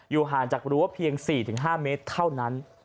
ห่างจากรั้วเพียง๔๕เมตรเท่านั้น